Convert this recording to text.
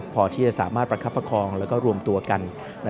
พอที่จะสามารถประคับประคองแล้วก็รวมตัวกัน